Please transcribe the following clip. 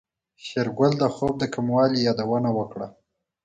شېرګل د خوب د کموالي يادونه وکړه.